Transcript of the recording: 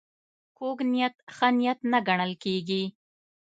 کوږ نیت ښه نیت نه ګڼل کېږي